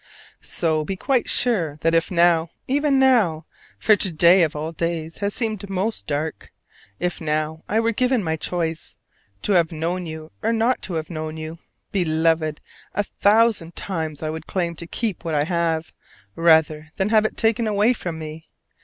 So be quite sure that if now, even now, for to day of all days has seemed most dark if now I were given my choice to have known you or not to have known you, Beloved, a thousand times I would claim to keep what I have, rather than have it taken away from me.